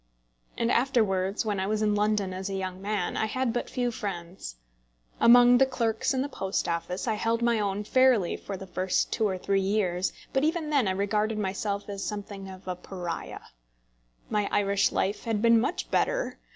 And afterwards, when I was in London as a young man, I had but few friends. Among the clerks in the Post Office I held my own fairly for the first two or three years; but even then I regarded myself as something of a pariah. My Irish life had been much better.